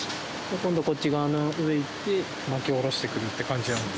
今度こっち側の上いって巻き下ろしてくるって感じなんで。